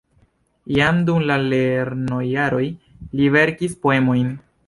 Jam dum la lernojaroj li verkis poemojn.